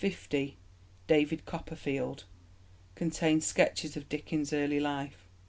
David Copperfield (contains sketches of Dickens' early life).